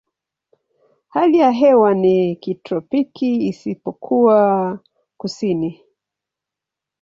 Hali ya hewa ni ya kitropiki isipokuwa kusini.